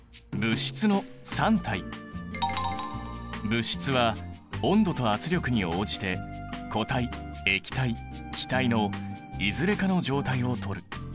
物質は温度と圧力に応じて固体液体気体のいずれかの状態をとる。